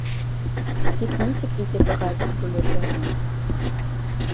Тик нисек итеп ғәҙел бүлергә һуң?